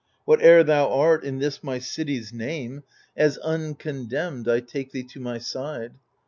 Whatever thou art, in this my city's name, 158 THE FURIES As uncondemned, I take thee to my side.